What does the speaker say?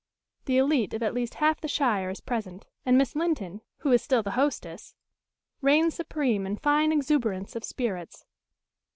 The elite of at least half the shire is present, and Miss Linton, who is still the hostess, reigns supreme in fine exuberance of spirits.